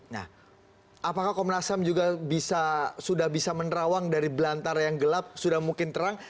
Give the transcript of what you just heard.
nah apakah komnas ham juga sudah bisa menerawang dari belantara yang gelap sudah mungkin terang